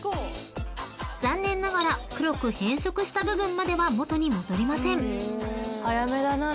［残念ながら黒く変色した部分までは元に戻りません］